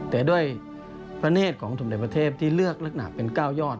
แต่ด้วยประเนศของธุรกิจประเทศที่เลือกเล็กหนักเป็น๙ยอด